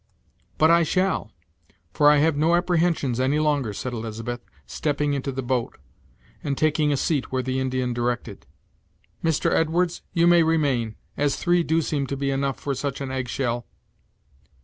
"But I shall; for I have no apprehensions any longer," said Elizabeth, stepping into the boat, and taking a seat where the Indian directed. "Mr. Edwards, you may remain, as three do seem to be enough for such an egg shell."